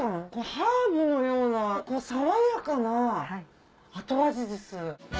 ハーブのような爽やかな後味です。